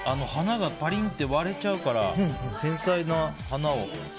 花がパリンって割れちゃうから繊細な花を。